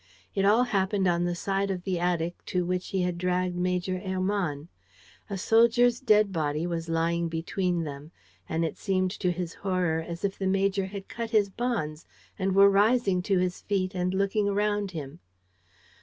It all happened on the side of the attic to which he had dragged Major Hermann. A soldier's dead body was lying between them. And it seemed, to his horror, as if the major had cut his bonds and were rising to his feet and looking around him.